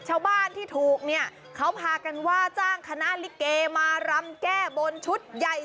ชาวบ้านที่ถูกเนี่ยเขาพากันว่าจ้างคณะลิเกมารำแก้บนชุดใหญ่